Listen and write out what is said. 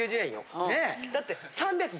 だって。